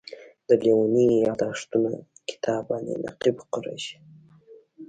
د لېوني یادښتونو کتاب باندې نقیب قریشي.